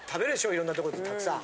いろんなとこでたくさん！